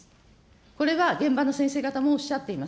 これが現場の先生方もおっしゃっています。